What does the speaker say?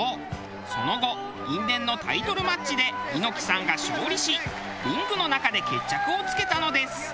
その後因縁のタイトルマッチで猪木さんが勝利しリングの中で決着をつけたのです。